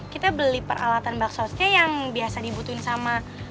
kita beli peralatan baksosnya yang biasa dibutuhin sama